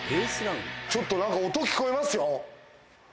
ちょっと音聞こえますよ。